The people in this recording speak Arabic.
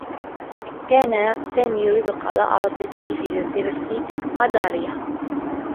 كان ساني يريد قضاء عطلته في جزيرة مداريّة.